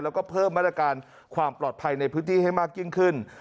แล้วก็เพิ่มมาตรการความปลอดภัยในพื้นที่ให้มากยิ่งขึ้น